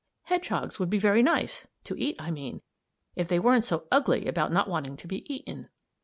"Hedgehogs would be very nice to eat, I mean if they weren't so ugly about not wanting to be eaten."